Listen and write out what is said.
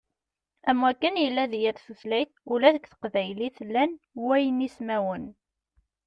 Am wakken yella di yal tutlayt, ula deg teqbaylit llan waynismawen.